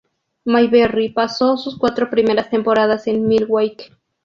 Mayberry pasó sus cuatro primeras temporadas en Milwaukee.